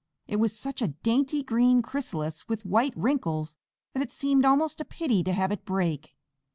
It was such a dainty green chrysalis with white wrinkles, that it seemed almost a pity to have it break.